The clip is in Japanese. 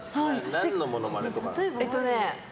何のモノマネなんですか？